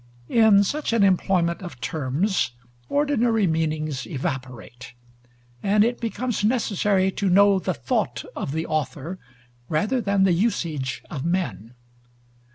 In such an employment of terms, ordinary meanings evaporate: and it becomes necessary to know the thought of the author rather than the usage of men.